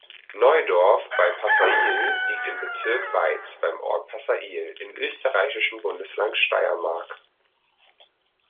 Neudorf bei Passail liegt im Bezirk Weiz beim Ort Passail im österreichischen Bundesland Steiermark.